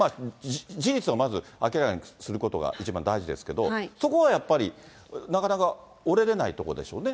事実をまず明らかにすることが一番大事ですけど、そこはやっぱり、なかなか折れれないところでしょうね。